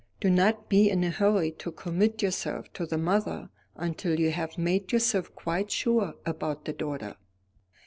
Do not be in a hurry to commit yourself to the mother until you have made yourself quite sure about the daughter."